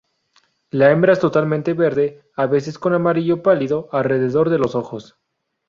La hembra es totalmente verde, a veces con amarillo pálido alrededor de los ojos.